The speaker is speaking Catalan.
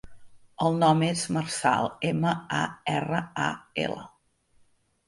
El nom és Marçal: ema, a, erra, a, ela.